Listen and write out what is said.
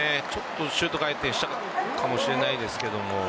シュート回転したかもしれないんですが。